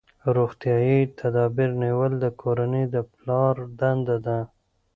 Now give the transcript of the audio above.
روغتیايي تدابیر نیول د کورنۍ د پلار دنده ده.